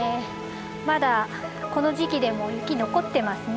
まだこの時期でも雪残ってますね。